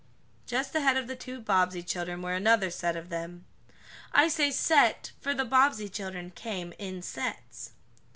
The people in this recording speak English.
Just ahead of the two Bobbsey children were another set of them. I say "set" for the Bobbsey children came "in sets."